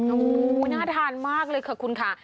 โอ้โหน่าทานมากเลยค่ะคุณค่ะ